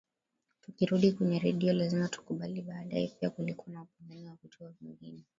Tukirudi kwenye Radio lazima tukubali baadaye pia kulikuwa na upinzani wa vituo vingine